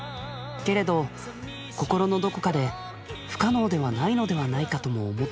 けれど心のどこかで不可能ではないのではないかとも思っている。